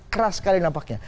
keras sekali nampaknya